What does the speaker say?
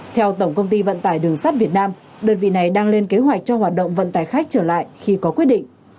theo tổng công ty vận tải đường sắt việt nam đơn vị này đang lên kế hoạch cho hoạt động vận tải khách trở lại khi có quyết định